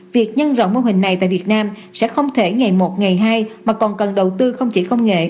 việc nhân rộng mô hình này tại việt nam sẽ không thể ngày một ngày hai mà còn cần đầu tư không chỉ công nghệ